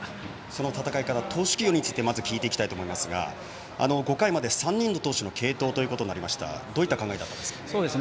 その戦い方、投手起用についてまず聞いていきたいと思いますが５回まで３人の投手の継投となりましたがどういった考えだったんですか。